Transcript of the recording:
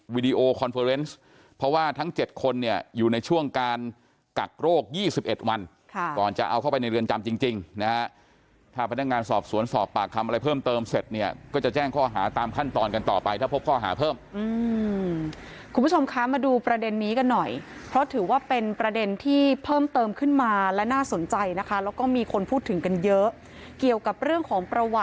เพราะว่าทั้ง๗คนเนี่ยอยู่ในช่วงการกักโรค๒๑วันก่อนจะเอาเข้าไปในเรือนจำจริงนะฮะถ้าพนักงานสอบสวนสอบปากคำอะไรเพิ่มเติมเสร็จเนี่ยก็จะแจ้งข้อหาตามขั้นตอนกันต่อไปถ้าพบข้อหาเพิ่มอืมคุณผู้ชมคะมาดูประเด็นนี้กันหน่อยเพราะถือว่าเป็นประเด็นที่เพิ่มเติมขึ้นมาและน่าสนใจนะคะแล้วก็มีคนพูดถึงกันเยอะเกี่ยวกับเรื่องของประวัติ